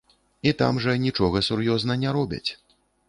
І там жа нічога сур'ёзна не робяць.